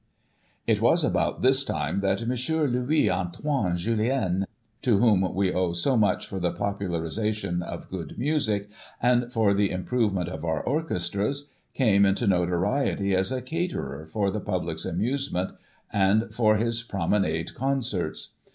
It was about this time that M. Louis Antoine Jullien, to whom we owe so much for the popularisation of good music, and for the improvement of our orchestras, came into notoriety /as a caterer for the public's amusement, and for his promenade concerts.